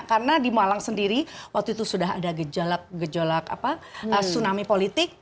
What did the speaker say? karena di malang sendiri waktu itu sudah ada gejolak gejolak tsunami politik